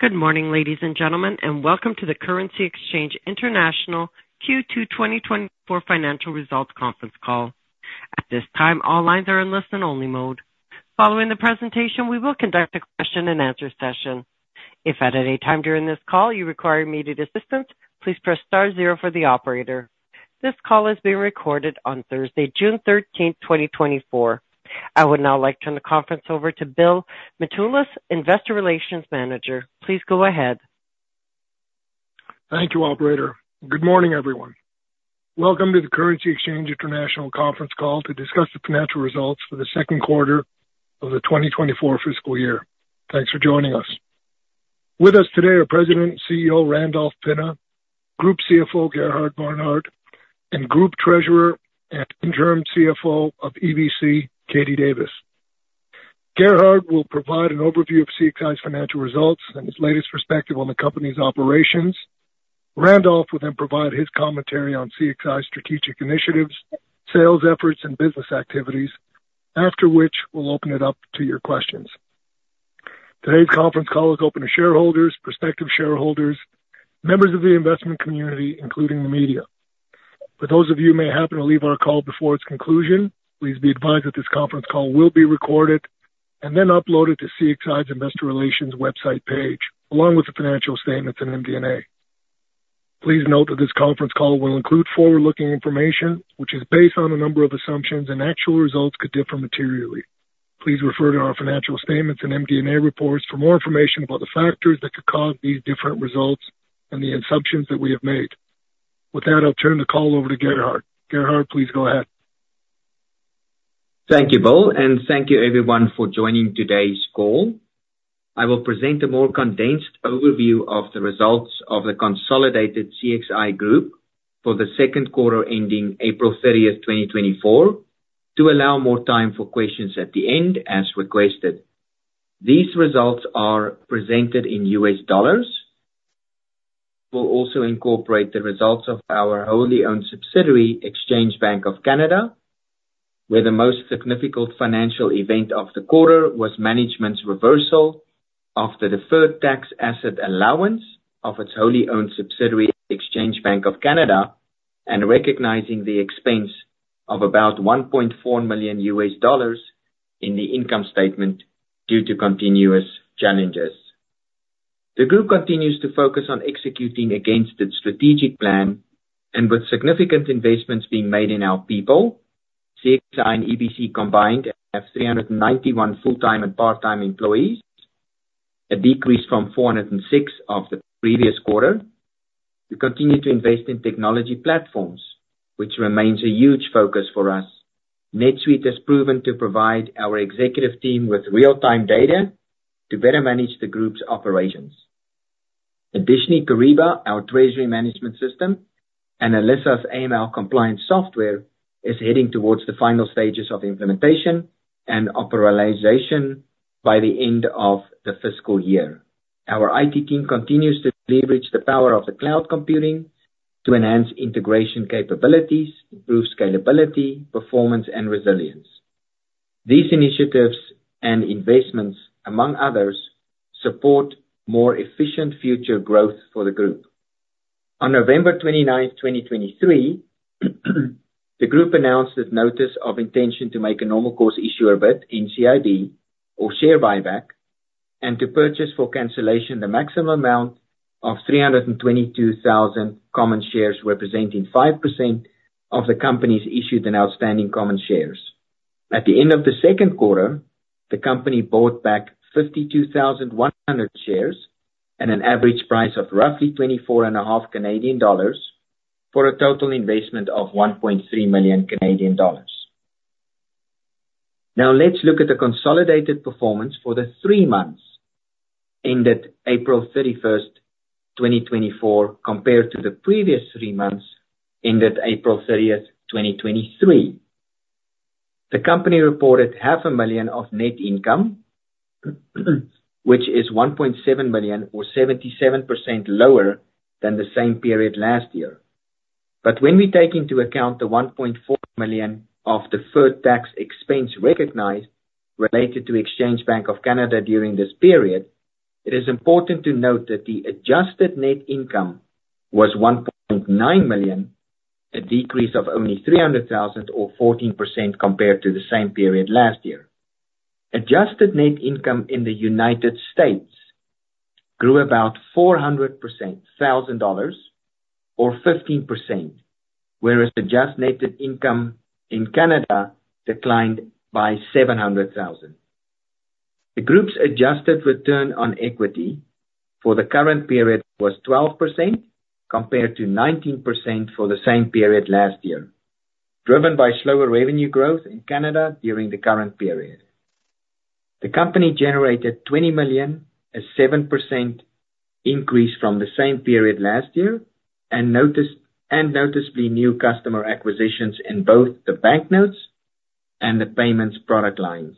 Good morning, ladies and gentlemen, and welcome to the Currency Exchange International Q2 2024 financial results conference call. At this time, all lines are in listen-only mode. Following the presentation, we will conduct a question-and-answer session. If at any time during this call you require immediate assistance, please press star zero for the operator. This call is being recorded on Thursday, June 13, 2024. I would now like to turn the conference over to Bill Mitoulas, Investor Relations Manager. Please go ahead. Thank you, Operator. Good morning, everyone. Welcome to the Currency Exchange International conference call to discuss the financial results for the second quarter of the 2024 fiscal year. Thanks for joining us. With us today are President and CEO Randolph Pinna, Group CFO Gerhard Barnard, and Group Treasurer and Interim CFO of EBC, Katie Davis. Gerhard will provide an overview of CXI's financial results and his latest perspective on the company's operations. Randolph will then provide his commentary on CXI's strategic initiatives, sales efforts, and business activities, after which we'll open it up to your questions. Today's conference call is open to shareholders, prospective shareholders, members of the investment community, including the media. For those of you who may happen to leave our call before its conclusion, please be advised that this conference call will be recorded and then uploaded to CXI's Investor Relations website page, along with the financial statements and MD&A. Please note that this conference call will include forward-looking information, which is based on a number of assumptions, and actual results could differ materially. Please refer to our financial statements and MD&A reports for more information about the factors that could cause these different results and the assumptions that we have made. With that, I'll turn the call over to Gerhard. Gerhard, please go ahead. Thank you, Bill, and thank you, everyone, for joining today's call. I will present a more condensed overview of the results of the consolidated CXI Group for the second quarter ending April 30, 2024, to allow more time for questions at the end as requested. These results are presented in U.S. dollars. We'll also incorporate the results of our wholly owned subsidiary, Exchange Bank of Canada, where the most significant financial event of the quarter was management's reversal of the deferred tax asset allowance of its wholly owned subsidiary, Exchange Bank of Canada, and recognizing the expense of about $1.4 million in the income statement due to continuous challenges. The group continues to focus on executing against its strategic plan, and with significant investments being made in our people, CXI and EBC combined have 391 full-time and part-time employees, a decrease from 406 of the previous quarter. We continue to invest in technology platforms, which remains a huge focus for us. NetSuite has proven to provide our executive team with real-time data to better manage the group's operations. Additionally, Kyriba, our treasury management system, and Alessa's AML compliance software are heading towards the final stages of implementation and operationalization by the end of the fiscal year. Our IT team continues to leverage the power of the cloud computing to enhance integration capabilities, improve scalability, performance, and resilience. These initiatives and investments, among others, support more efficient future growth for the group. On November 29, 2023, the group announced its notice of intention to make a normal course issuer bid, NCIB, or share buyback, and to purchase for cancellation the maximum amount of 322,000 common shares, representing 5% of the company's issued and outstanding common shares. At the end of the second quarter, the company bought back 52,100 shares at an average price of roughly 24.50 Canadian dollars for a total investment of 1.3 million Canadian dollars. Now, let's look at the consolidated performance for the three months ended April 30, 2024, compared to the previous three months ended April 30, 2023. The company reported $500,000 of net income, which is $1.7 million, or 77% lower than the same period last year. But when we take into account the $1.4 million of the deferred tax expense recognized related to Exchange Bank of Canada during this period, it is important to note that the adjusted net income was $1.9 million, a decrease of only $300,000, or 14% compared to the same period last year. Adjusted net income in the United States grew about $400,000, or 15%, whereas adjusted net income in Canada declined by $700,000. The group's adjusted return on equity for the current period was 12% compared to 19% for the same period last year, driven by slower revenue growth in Canada during the current period. The company generated $20 million, a 7% increase from the same period last year, and noticeably new customer acquisitions in both the banknotes and the payments product lines.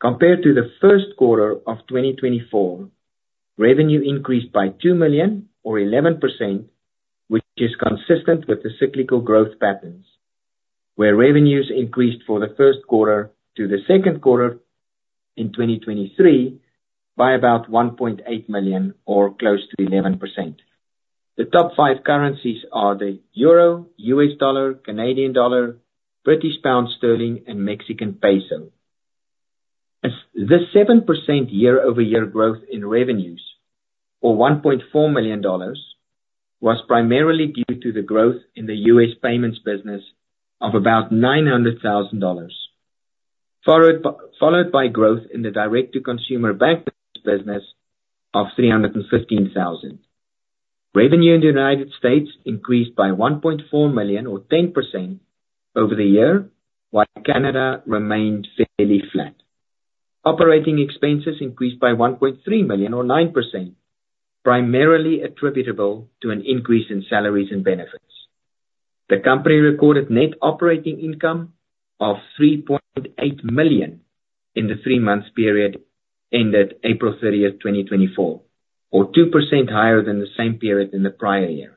Compared to the first quarter of 2024, revenue increased by $2 million, or 11%, which is consistent with the cyclical growth patterns, where revenues increased for the first quarter to the second quarter in 2023 by about $1.8 million, or close to 11%. The top five currencies are the Euro, U.S. Dollar, Canadian Dollar, British Pound Sterling, and Mexican Peso. This 7% year-over-year growth in revenues, or $1.4 million, was primarily due to the growth in the U.S. payments business of about $900,000, followed by growth in the direct-to-consumer bank business of $315,000. Revenue in the United States increased by $1.4 million, or 10%, over the year, while Canada remained fairly flat. Operating expenses increased by $1.3 million, or 9%, primarily attributable to an increase in salaries and benefits. The company recorded net operating income of $3.8 million in the three-month period ended April 30, 2024, or 2% higher than the same period in the prior year.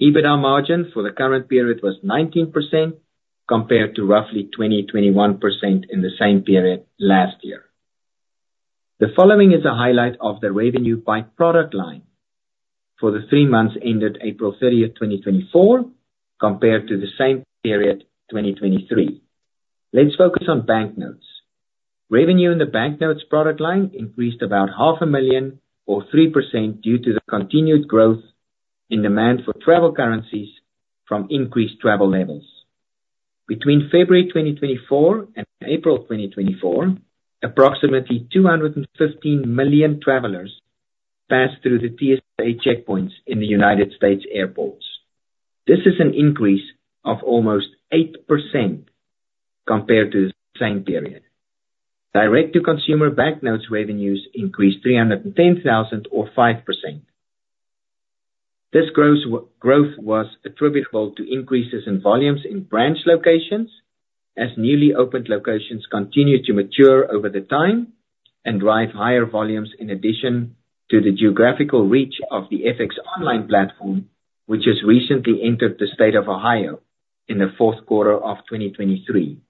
EBITDA margin for the current period was 19% compared to roughly 20%-21% in the same period last year. The following is a highlight of the revenue by product line for the three months ended April 30, 2024, compared to the same period, 2023. Let's focus on banknotes. Revenue in the banknotes product line increased about $500,000, or 3%, due to the continued growth in demand for travel currencies from increased travel levels. Between February 2024 and April 2024, approximately 215 million travelers passed through the TSA checkpoints in the United States airports. This is an increase of almost 8% compared to the same period. Direct-to-consumer banknotes revenues increased $310,000, or 5%. This growth was attributable to increases in volumes in branch locations, as newly opened locations continue to mature over time and drive higher volumes in addition to the geographical reach of the OnlineFX platform, which has recently entered the state of Ohio in the fourth quarter of 2023,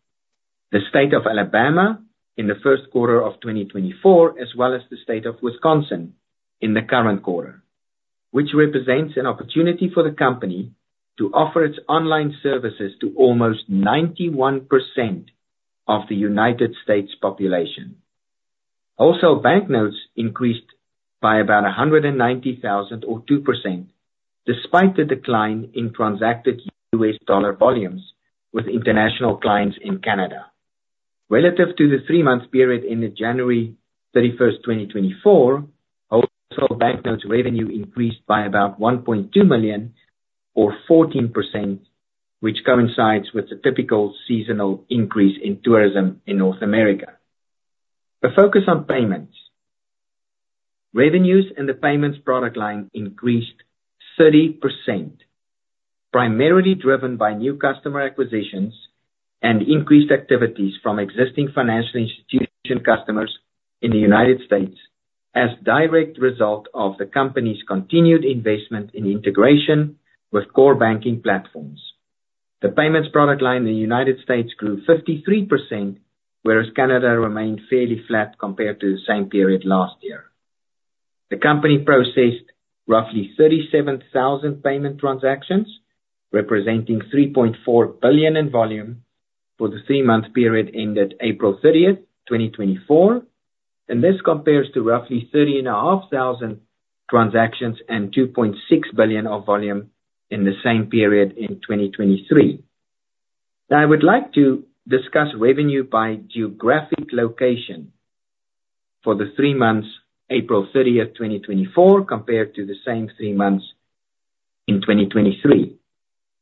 the state of Alabama in the first quarter of 2024, as well as the state of Wisconsin in the current quarter, which represents an opportunity for the company to offer its online services to almost 91% of the United States population. Also, banknotes increased by about $190,000, or 2%, despite the decline in transacted U.S. dollar volumes with international clients in Canada. Relative to the three-month period ended January 31, 2024, wholesale banknotes revenue increased by about $1.2 million, or 14%, which coincides with the typical seasonal increase in tourism in North America. A focus on payments. Revenues in the payments product line increased 30%, primarily driven by new customer acquisitions and increased activities from existing financial institution customers in the United States as a direct result of the company's continued investment in integration with core banking platforms. The payments product line in the United States grew 53%, whereas Canada remained fairly flat compared to the same period last year. The company processed roughly 37,000 payment transactions, representing 3.4 billion in volume for the three-month period ended April 30, 2024, and this compares to roughly 30,500 transactions and 2.6 billion of volume in the same period in 2023. Now, I would like to discuss revenue by geographic location for the three months April 30, 2024, compared to the same three months in 2023.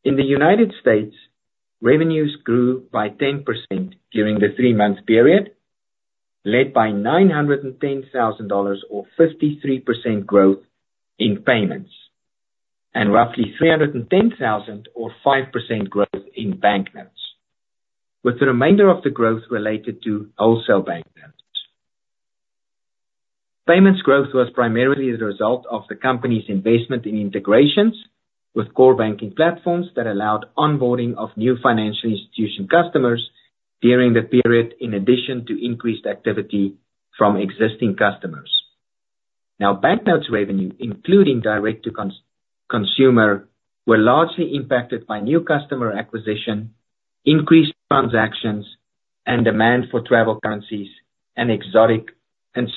In the United States, revenues grew by 10% during the three-month period, led by $910,000, or 53% growth in payments, and roughly $310,000, or 5% growth in banknotes, with the remainder of the growth related to wholesale banknotes. Payments growth was primarily the result of the company's investment in integrations with core banking platforms that allowed onboarding of new financial institution customers during the period, in addition to increased activity from existing customers. Now, banknotes revenue, including direct-to-consumer, were largely impacted by new customer acquisition, increased transactions, and demand for travel currencies and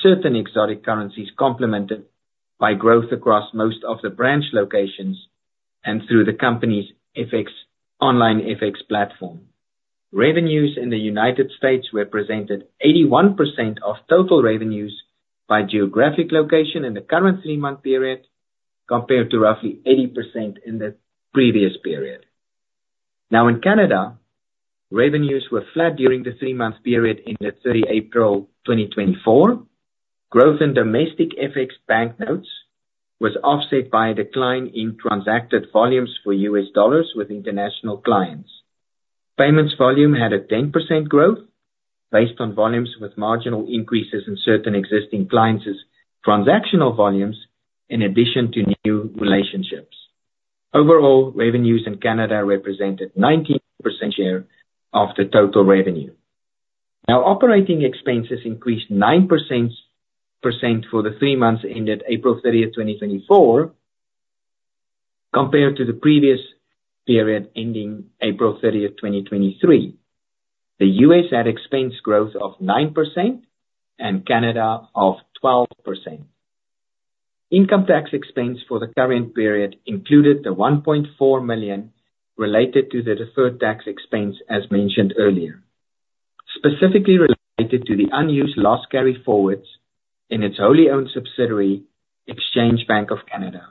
certain exotic currencies, complemented by growth across most of the branch locations and through the company's OnlineFX platform. Revenues in the United States represented 81% of total revenues by geographic location in the current three-month period, compared to roughly 80% in the previous period. Now, in Canada, revenues were flat during the three-month period ended 30 April 2024. Growth in domestic FX banknotes was offset by a decline in transacted volumes for U.S. dollars with international clients. Payments volume had a 10% growth based on volumes with marginal increases in certain existing clients' transactional volumes, in addition to new relationships. Overall, revenues in Canada represented 19% share of the total revenue. Now, operating expenses increased 9% for the three months ended April 30, 2024, compared to the previous period ending April 30, 2023. The U.S. had expense growth of 9% and Canada of 12%. Income tax expense for the current period included $1.4 million related to the deferred tax expense, as mentioned earlier, specifically related to the unused loss carry forwards in its wholly owned subsidiary, Exchange Bank of Canada,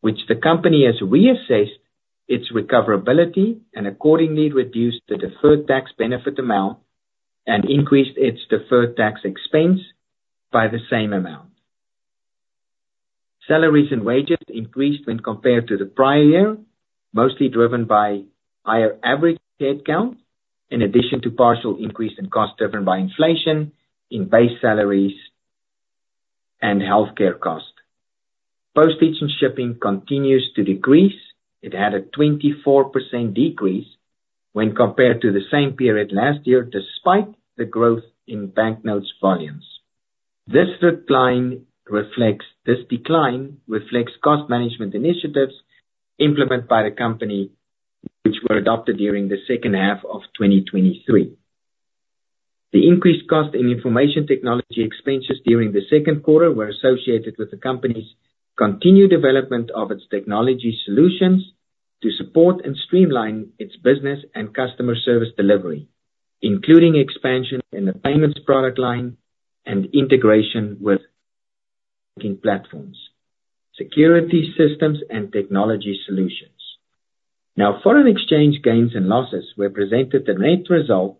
which the company has reassessed its recoverability and accordingly reduced the deferred tax benefit amount and increased its deferred tax expense by the same amount. Salaries and wages increased when compared to the prior year, mostly driven by higher average headcount, in addition to partial increase in cost driven by inflation in base salaries and healthcare cost. Postage and shipping continues to decrease. It had a 24% decrease when compared to the same period last year, despite the growth in banknotes volumes. This decline reflects cost management initiatives implemented by the company, which were adopted during the second half of 2023. The increased cost in information technology expenses during the second quarter were associated with the company's continued development of its technology solutions to support and streamline its business and customer service delivery, including expansion in the payments product line and integration with banking platforms, security systems, and technology solutions. Now, foreign exchange gains and losses represented the net result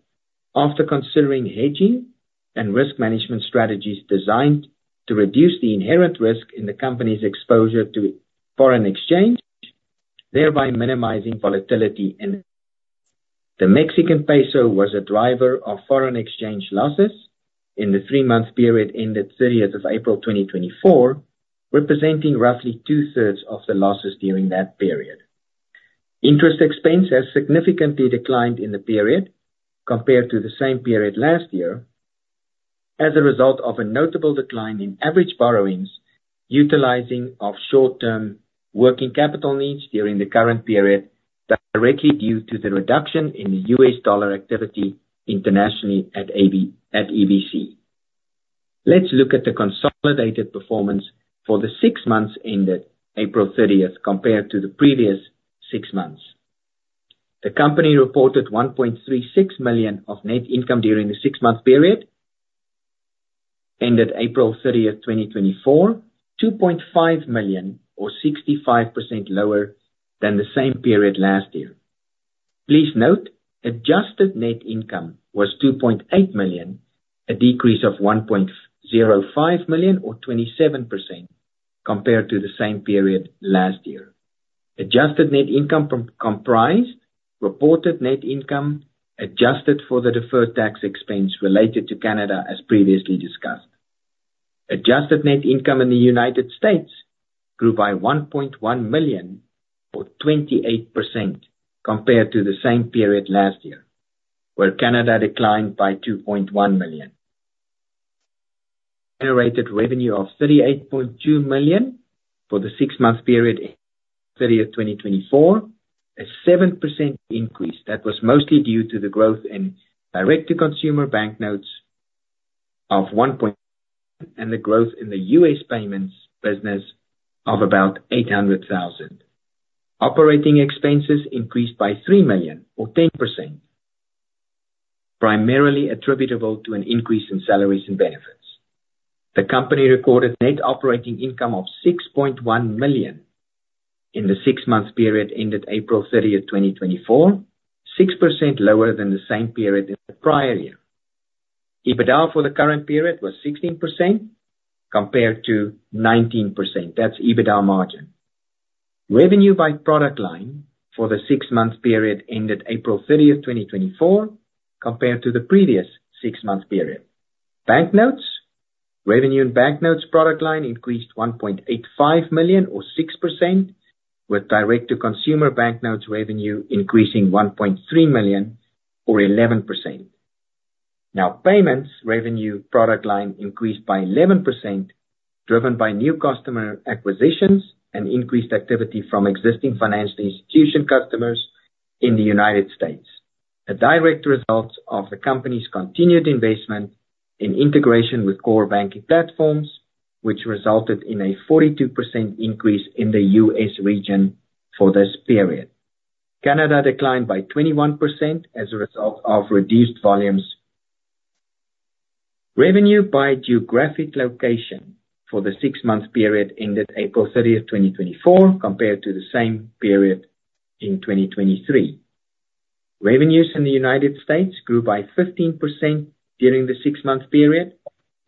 after considering hedging and risk management strategies designed to reduce the inherent risk in the company's exposure to foreign exchange, thereby minimizing volatility in the Mexican Peso. The Mexican Peso was a driver of foreign exchange losses in the three-month period ended 30th April 2024, representing roughly two-thirds of the losses during that period. Interest expense has significantly declined in the period compared to the same period last year as a result of a notable decline in average borrowings utilizing short-term working capital needs during the current period, directly due to the reduction in the U.S. dollar activity internationally at EBC. Let's look at the consolidated performance for the six months ended April 30 compared to the previous six months. The company reported $1.36 million of net income during the six-month period ended April 30, 2024, $2.5 million, or 65% lower than the same period last year. Please note, adjusted net income was $2.8 million, a decrease of $1.05 million, or 27%, compared to the same period last year. Adjusted net income comprised reported net income adjusted for the deferred tax expense related to Canada, as previously discussed. Adjusted net income in the United States grew by $1.1 million, or 28%, compared to the same period last year, where Canada declined by $2.1 million. Generated revenue of $38.2 million for the six-month period ended April 30, 2024, a 7% increase that was mostly due to the growth in direct-to-consumer banknotes of $1.1 million and the growth in the U.S. payments business of about $800,000. Operating expenses increased by $3 million, or 10%, primarily attributable to an increase in salaries and benefits. The company recorded net operating income of $6.1 million in the six-month period ended April 30, 2024, 6% lower than the same period in the prior year. EBITDA for the current period was 16% compared to 19%. That's EBITDA margin. Revenue by product line for the six-month period ended April 30, 2024, compared to the previous six-month period. Banknotes revenue in banknotes product line increased $1.85 million, or 6%, with direct-to-consumer banknotes revenue increasing $1.3 million, or 11%. Now, payments revenue product line increased by 11%, driven by new customer acquisitions and increased activity from existing financial institution customers in the United States, a direct result of the company's continued investment in integration with core banking platforms, which resulted in a 42% increase in the U.S. region for this period. Canada declined by 21% as a result of reduced volumes. Revenue by geographic location for the six-month period ended April 30, 2024, compared to the same period in 2023. Revenues in the United States grew by 15% during the six-month period,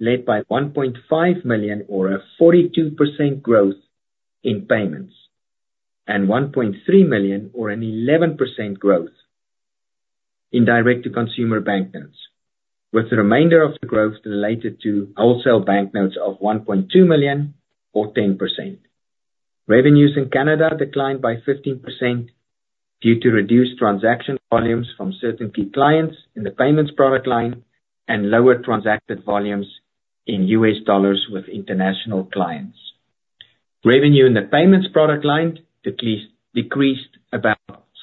led by $1.5 million, or a 42% growth in payments, and $1.3 million, or an 11% growth in direct-to-consumer banknotes, with the remainder of the growth related to wholesale banknotes of $1.2 million, or 10%. Revenues in Canada declined by 15% due to reduced transaction volumes from certain key clients in the payments product line and lower transacted volumes in U.S. dollars with international clients. Revenue in the payments product line decreased about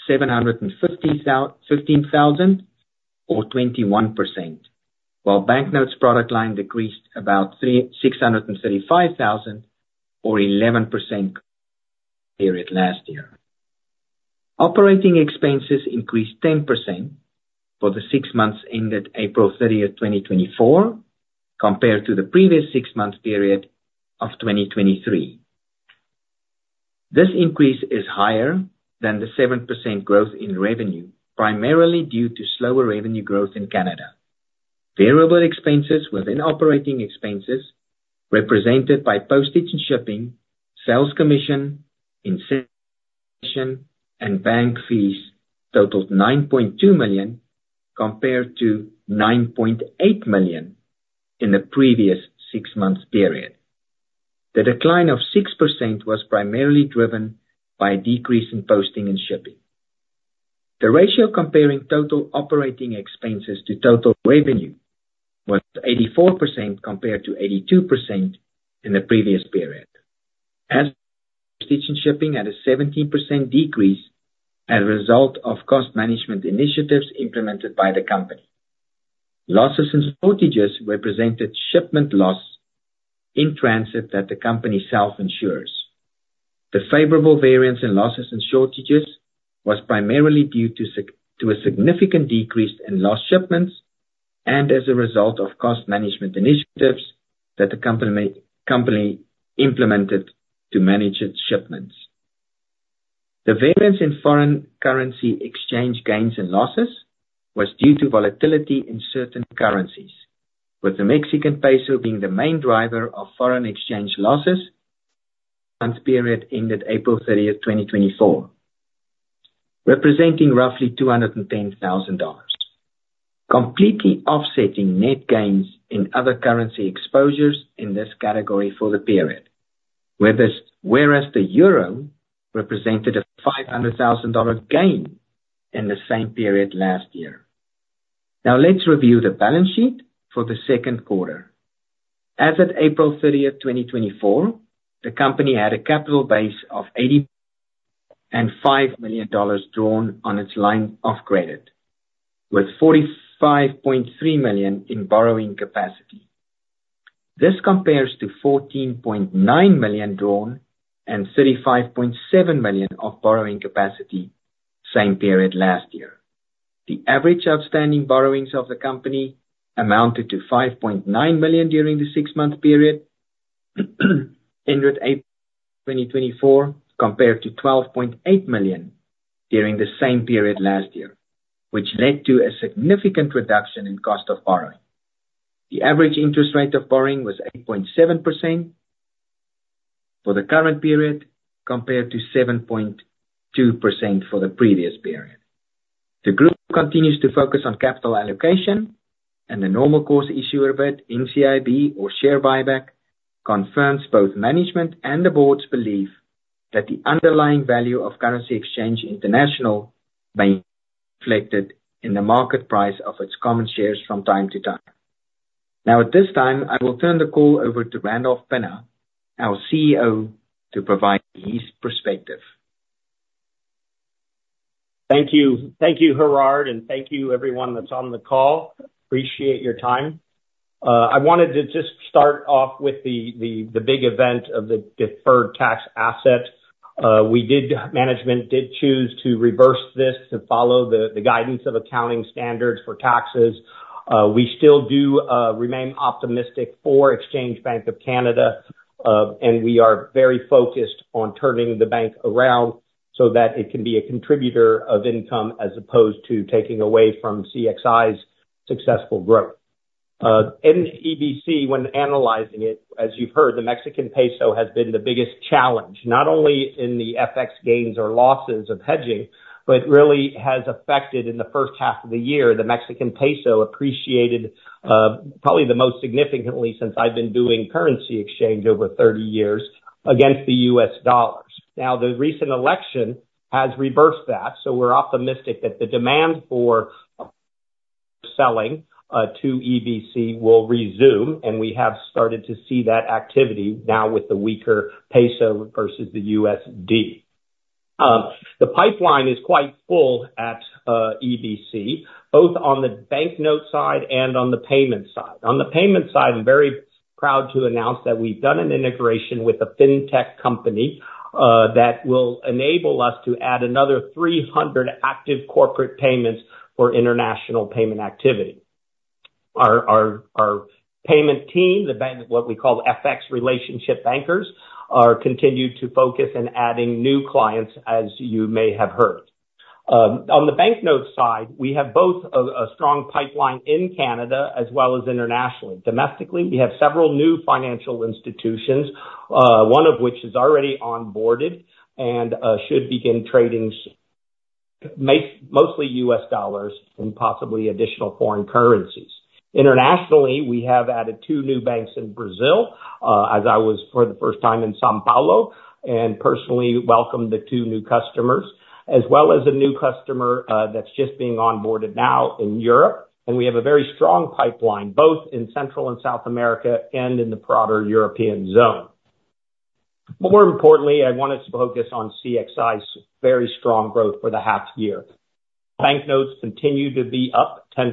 $715,000, or 21%, while banknotes product line decreased about $635,000, or 11% compared to last year. Operating expenses increased 10% for the six months ended April 30, 2024, compared to the previous six-month period of 2023. This increase is higher than the 7% growth in revenue, primarily due to slower revenue growth in Canada. Variable expenses within operating expenses represented by postage and shipping, sales commission, incentivization, and bank fees totaled $9.2 million compared to $9.8 million in the previous six-month period. The decline of 6% was primarily driven by a decrease in postage and shipping. The ratio comparing total operating expenses to total revenue was 84% compared to 82% in the previous period, as postage and shipping had a 17% decrease as a result of cost management initiatives implemented by the company. Losses and shortages represented shipment loss in transit that the company self-insures. The favorable variance in losses and shortages was primarily due to a significant decrease in lost shipments and as a result of cost management initiatives that the company implemented to manage its shipments. The variance in foreign currency exchange gains and losses was due to volatility in certain currencies, with the Mexican Peso being the main driver of foreign exchange losses in the six-month period ended April 30, 2024, representing roughly $210,000, completely offsetting net gains in other currency exposures in this category for the period, whereas the Euro represented a $500,000 gain in the same period last year. Now, let's review the balance sheet for the second quarter. As of April 30, 2024, the company had a capital base of $85 million drawn on its line of credit, with $45.3 million in borrowing capacity. This compares to $14.9 million drawn and $35.7 million of borrowing capacity in the same period last year. The average outstanding borrowings of the company amounted to $5.9 million during the six-month period ended April 2024, compared to $12.8 million during the same period last year, which led to a significant reduction in cost of borrowing. The average interest rate of borrowing was 8.7% for the current period compared to 7.2% for the previous period. The group continues to focus on capital allocation, and the normal course issuer bid, NCIB or share buyback, confirms both management and the board's belief that the underlying value of Currency Exchange International may be reflected in the market price of its common shares from time to time. Now, at this time, I will turn the call over to Randolph Pinna, our CEO, to provide his perspective. Thank you. Thank you, Gerhard, and thank you, everyone that's on the call. Appreciate your time. I wanted to just start off with the big event of the deferred tax asset. Management did choose to reverse this to follow the guidance of accounting standards for taxes. We still do remain optimistic for Exchange Bank of Canada, and we are very focused on turning the bank around so that it can be a contributor of income as opposed to taking away from CXI's successful growth. In EBC, when analyzing it, as you've heard, the Mexican peso has been the biggest challenge, not only in the FX gains or losses of hedging, but really has affected in the first half of the year. The Mexican peso appreciated probably the most significantly since I've been doing currency exchange over 30 years against the U.S. dollars. Now, the recent election has reversed that, so we're optimistic that the demand for selling to EBC will resume, and we have started to see that activity now with the weaker Peso versus the USD. The pipeline is quite full at EBC, both on the bank note side and on the payment side. On the payment side, I'm very proud to announce that we've done an integration with a fintech company that will enable us to add another 300 active corporate payments for international payment activity. Our payment team, what we call FX relationship bankers, continue to focus on adding new clients, as you may have heard. On the bank note side, we have both a strong pipeline in Canada as well as internationally. Domestically, we have several new financial institutions, one of which is already onboarded and should begin trading mostly U.S. dollars and possibly additional foreign currencies. Internationally, we have added two new banks in Brazil, as I was for the first time in São Paulo, and personally welcomed the two new customers, as well as a new customer that's just being onboarded now in Europe. We have a very strong pipeline both in Central and South America and in the broader European zone. More importantly, I wanted to focus on CXI's very strong growth for the half year. Banknotes continue to be up 10%,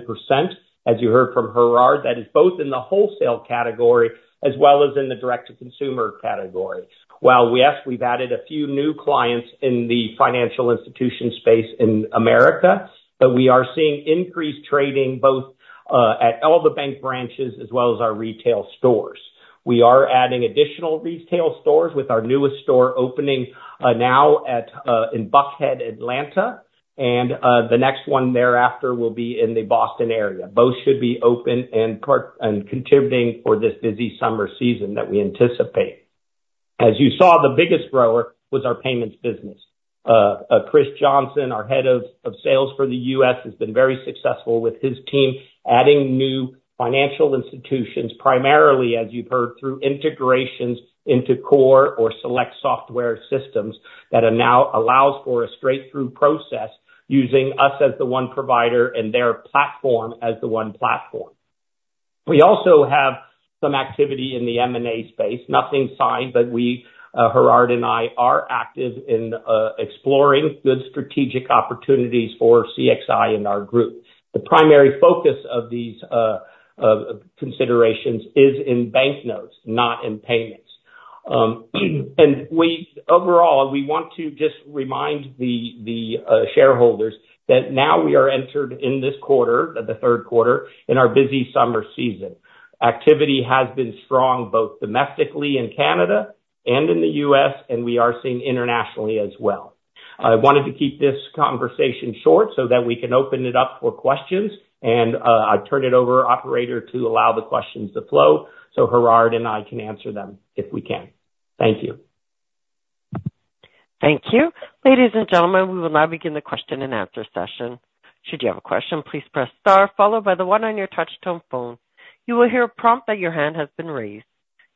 as you heard from Gerhard. That is both in the wholesale category as well as in the direct-to-consumer category. While we've added a few new clients in the financial institution space in America, we are seeing increased trading both at all the bank branches as well as our retail stores. We are adding additional retail stores with our newest store opening now in Buckhead, Atlanta, and the next one thereafter will be in the Boston area. Both should be open and contributing for this busy summer season that we anticipate. As you saw, the biggest grower was our payments business. Chris Johnson, our head of sales for the U.S., has been very successful with his team adding new financial institutions, primarily, as you've heard, through integrations into core or select software systems that now allow for a straight-through process using us as the one provider and their platform as the one platform. We also have some activity in the M&A space. Nothing signed, but we, Gerhard and I, are active in exploring good strategic opportunities for CXI and our group. The primary focus of these considerations is in banknotes, not in payments. And overall, we want to just remind the shareholders that now we are entered in this quarter, the third quarter, in our busy summer season. Activity has been strong both domestically in Canada and in the U.S., and we are seeing internationally as well. I wanted to keep this conversation short so that we can open it up for questions, and I'll turn it over to Operator to allow the questions to flow so Gerhard and I can answer them if we can. Thank you. Thank you. Ladies and gentlemen, we will now begin the question-and-answer session. Should you have a question, please press star, followed by the one on your touch-tone phone. You will hear a prompt that your hand has been raised.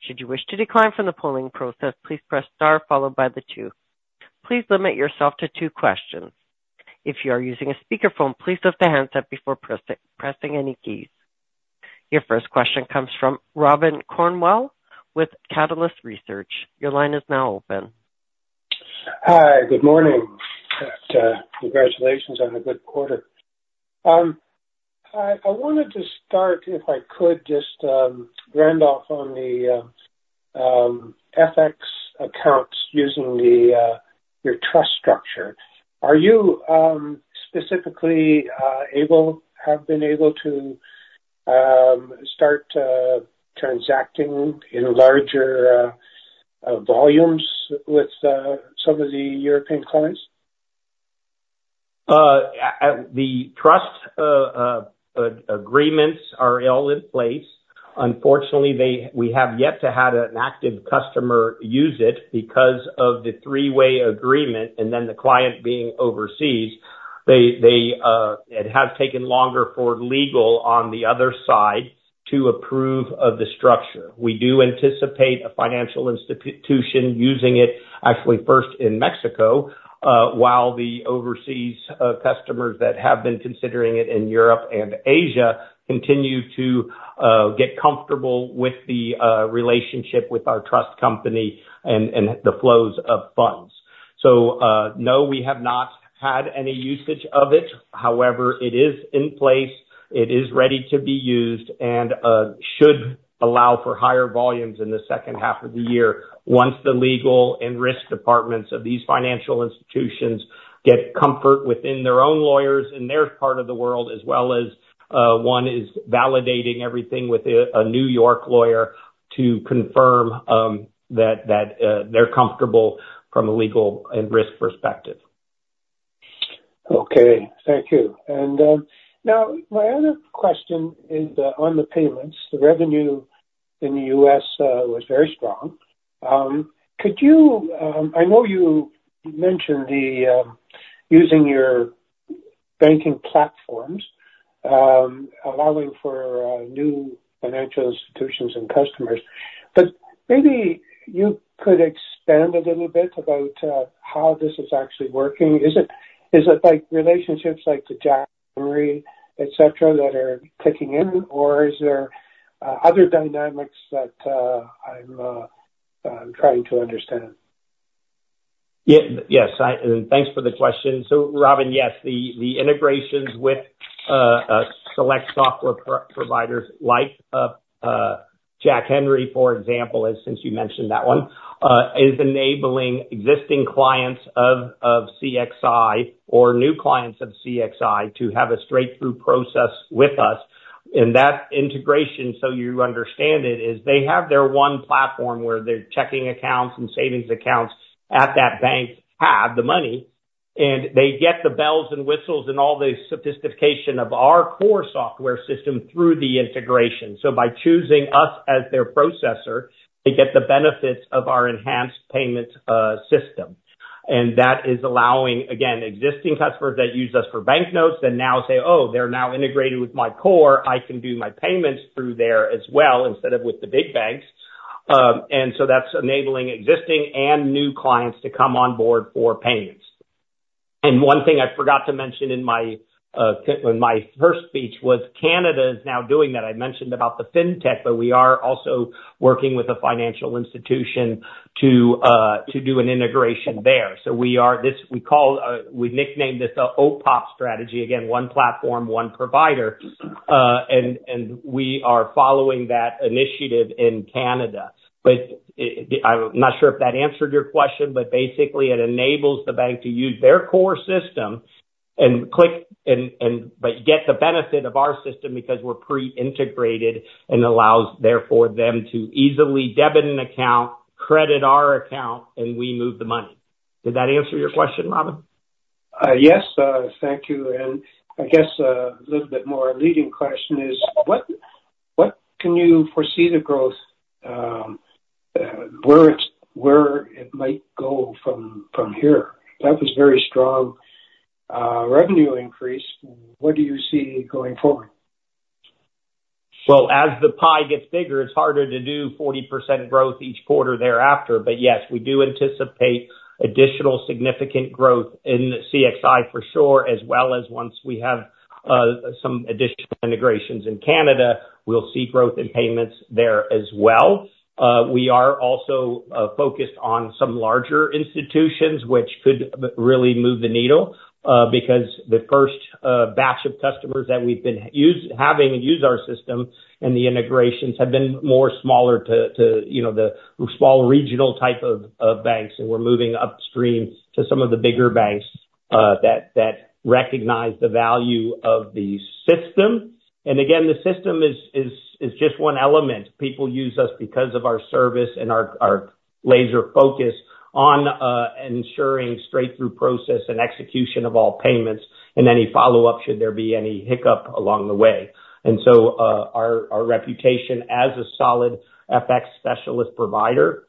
Should you wish to decline from the polling process, please press star, followed by the two. Please limit yourself to two questions. If you are using a speakerphone, please lift the handset up before pressing any keys. Your first question comes from Robin Cornwell with Catalyst Research. Your line is now open. Hi. Good morning. Congratulations on a good quarter. I wanted to start, if I could, just Randolph, on the FX accounts using your trust structure. Are you specifically able, have been able to start transacting in larger volumes with some of the European clients? The trust agreements are all in place. Unfortunately, we have yet to have an active customer use it because of the three-way agreement and then the client being overseas. It has taken longer for legal on the other side to approve of the structure. We do anticipate a financial institution using it, actually first in Mexico, while the overseas customers that have been considering it in Europe and Asia continue to get comfortable with the relationship with our trust company and the flows of funds. So no, we have not had any usage of it. However, it is in place. It is ready to be used and should allow for higher volumes in the second half of the year once the legal and risk departments of these financial institutions get comfort within their own lawyers in their part of the world, as well as one is validating everything with a New York lawyer to confirm that they're comfortable from a legal and risk perspective. Okay. Thank you. And now my other question is on the payments. The revenue in the U.S. was very strong. I know you mentioned using your banking platforms, allowing for new financial institutions and customers, but maybe you could expand a little bit about how this is actually working. Is it relationships like the Jack Henry, etc., that are kicking in, or is there other dynamics that I'm trying to understand? Yes. Thanks for the question. So Robin, yes, the integrations with select software providers like Jack Henry, for example, since you mentioned that one, is enabling existing clients of CXI or new clients of CXI to have a straight-through process with us. And that integration, so you understand it, is they have their one platform where their checking accounts and savings accounts at that bank have the money, and they get the bells and whistles and all the sophistication of our core software system through the integration. So by choosing us as their processor, they get the benefits of our enhanced payments system. And that is allowing, again, existing customers that use us for banknotes that now say, "Oh, they're now integrated with my core. I can do my payments through there as well instead of with the big banks." And so that's enabling existing and new clients to come on board for payments. And one thing I forgot to mention in my first speech was Canada is now doing that. I mentioned about the fintech, but we are also working with a financial institution to do an integration there. So we nicknamed this the OPOP strategy, again, one platform, one provider, and we are following that initiative in Canada. But I'm not sure if that answered your question, but basically, it enables the bank to use their core system and get the benefit of our system because we're pre-integrated and allows therefore them to easily debit an account, credit our account, and we move the money. Did that answer your question, Robin? Yes. Thank you. And I guess a little bit more leading question is, what can you foresee the growth, where it might go from here? That was very strong revenue increase. What do you see going forward? Well, as the pie gets bigger, it's harder to do 40% growth each quarter thereafter. But yes, we do anticipate additional significant growth in CXI for sure, as well as once we have some additional integrations in Canada, we'll see growth in payments there as well. We are also focused on some larger institutions, which could really move the needle because the first batch of customers that we've been having use our system and the integrations have been more smaller to the small regional type of banks, and we're moving upstream to some of the bigger banks that recognize the value of the system. Again, the system is just one element. People use us because of our service and our laser focus on ensuring straight-through process and execution of all payments and any follow-up should there be any hiccup along the way. So our reputation as a solid FX specialist provider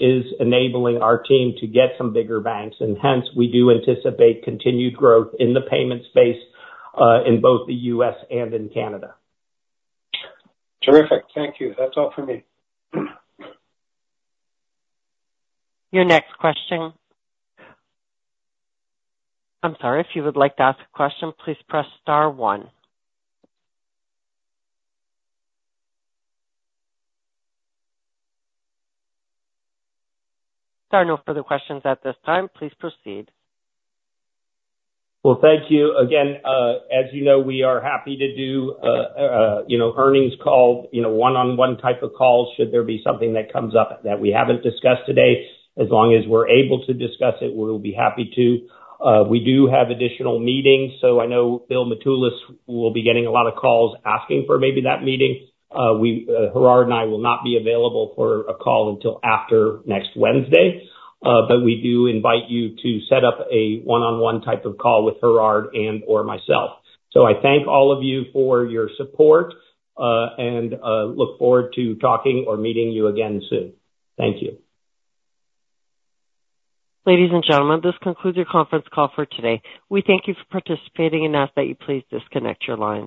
is enabling our team to get some bigger banks, and hence, we do anticipate continued growth in the payment space in both the U.S. and in Canada. Terrific. Thank you. That's all for me. Your next question. I'm sorry. If you would like to ask a question, please press star one. There are no further questions at this time. Please proceed. Well, thank you. Again, as you know, we are happy to do earnings calls, one-on-one type of calls should there be something that comes up that we haven't discussed today. As long as we're able to discuss it, we'll be happy to. We do have additional meetings. So I know Bill Mitoulas will be getting a lot of calls asking for maybe that meeting. Gerhard and I will not be available for a call until after next Wednesday, but we do invite you to set up a one-on-one type of call with Gerhard and/or myself. So I thank all of you for your support and look forward to talking or meeting you again soon. Thank you. Ladies and gentlemen, this concludes your conference call for today. We thank you for participating and ask that you please disconnect your line.